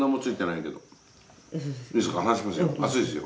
いいですか？